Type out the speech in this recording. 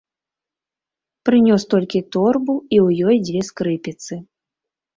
Прынёс толькі торбу і ў ёй дзве скрыпіцы.